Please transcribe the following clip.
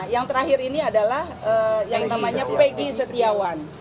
yang terakhir ini adalah yang namanya peggy setiawan